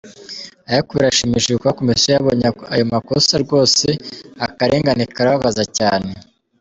ariko birashimishije kuba commission yabonye ayo makosa ryose akarengane karababaza cyanee.